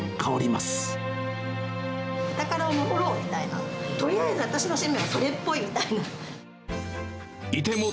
ブタカラを守ろうみたいな、とりあえず私の使命はそれっぽいみたいな。